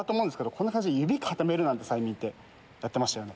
こんな感じで指固める催眠ってやってましたよね。